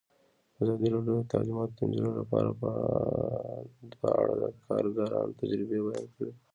ازادي راډیو د تعلیمات د نجونو لپاره په اړه د کارګرانو تجربې بیان کړي.